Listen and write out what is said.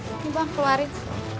ini bang keluarin